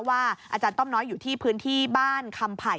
อาจารย์ต้อมน้อยอยู่ที่พื้นที่บ้านคำไผ่